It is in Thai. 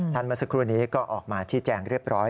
เมื่อสักครู่นี้ก็ออกมาชี้แจงเรียบร้อย